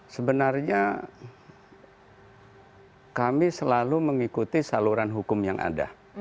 sebenarnya kami selalu mengikuti saluran hukum yang ada